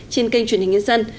trên kênh truyền hình nhân dân